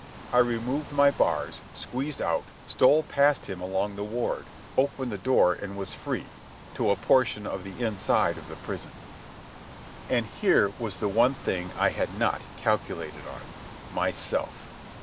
I removed my bars, squeezed out, stole past him along the ward, opened the door and was free ... to a portion of the inside of the prison. And here was the one thing I had not calculated on—myself.